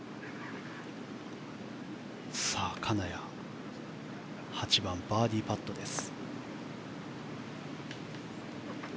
さあ金谷８番、バーディーパットです。